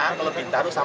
kalau bintaro sama rscm